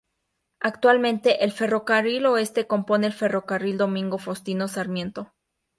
Actualmente el Ferrocarril Oeste compone el Ferrocarril Domingo Faustino Sarmiento.